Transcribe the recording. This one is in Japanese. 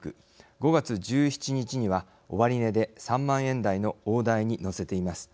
５月１７日には終値で３万円台の大台に乗せています。